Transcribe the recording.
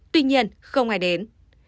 tuy nhiên không ai đến